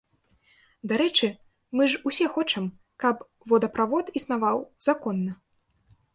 Дарэчы, мы ж усе хочам, каб водаправод існаваў законна.